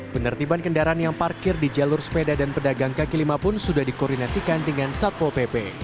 penertiban kendaraan yang parkir di jalur sepeda dan pedagang kaki lima pun sudah dikoordinasikan dengan satpol pp